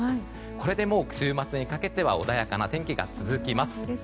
これで週末にかけては穏やかな天気が続きます。